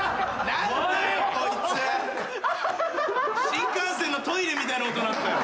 新幹線のトイレみたいな音鳴ったよ。